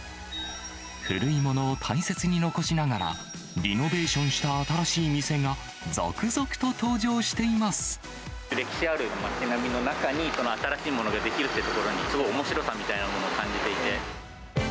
古いものを大切に残しながら、リノベーションした新しい店が、歴史ある町並みの中に、この新しいものが出来るっていうところに、すごいおもしろさみたいなものを感じていて。